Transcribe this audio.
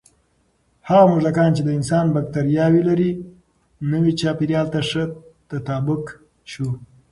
هغه موږکان چې د انسان بکتریاوې لري، نوي چاپېریال ته ښه تطابق شو.